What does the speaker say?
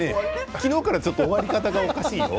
昨日から終わり方がおかしいよ。